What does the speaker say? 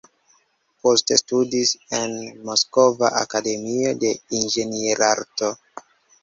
Poste studis en Moskva Akademio de Inĝenierarto.